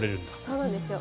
そうなんですよ。